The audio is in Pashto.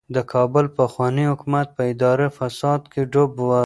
د کابل پخوانی حکومت په اداري فساد کې ډوب و.